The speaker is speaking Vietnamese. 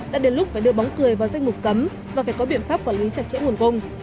đã đến lúc phải đưa bóng cười vào danh mục cấm và phải có biện pháp quản lý chặt chẽ nguồn cung